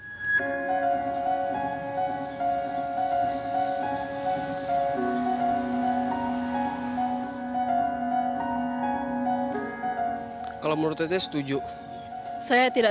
pemerintah jakarta menanggapi peraturan pemerintah yang berisi pemberatan pidana untuk pelaku tindak kejahatan seksual terhadap anak anak